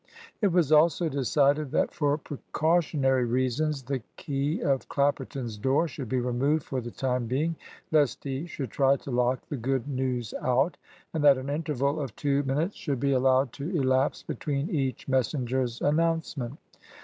It was also decided that, for precautionary reasons, the key of Clapperton's door should be removed for the time being, lest he should try to lock the good news out; and that an interval of two minutes should be allowed to elapse between each messenger's announcement.